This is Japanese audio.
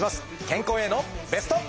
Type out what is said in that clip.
健康へのベスト。